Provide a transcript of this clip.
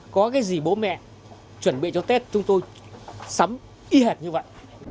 có cái gì bố mẹ chuẩn bị cho tết chúng tôi sắm y hệt như vậy